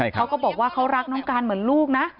เขาก็บอกว่าเขารักน้องการเหมือนลูกนะ